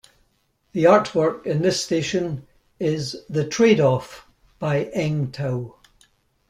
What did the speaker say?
The artwork in this station is "The Trade-Off" by Eng Tow.